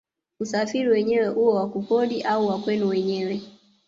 Usafiri wenyewe uwe wa kukodi au wa kwenu wenyewe